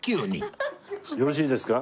よろしいですか？